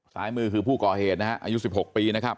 ซ้ายมือคือผู้ก่อเหตุนะฮะอายุ๑๖ปีนะครับ